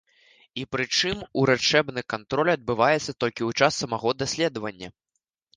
І прычым урачэбны кантроль адбываецца толькі ў час самога даследавання.